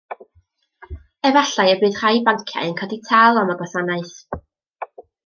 Efallai y bydd rhai banciau yn codi tâl am y gwasanaeth.